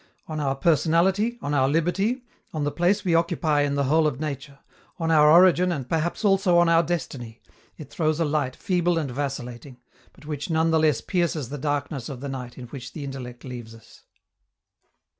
On our personality, on our liberty, on the place we occupy in the whole of nature, on our origin and perhaps also on our destiny, it throws a light feeble and vacillating, but which none the less pierces the darkness of the night in which the intellect leaves us.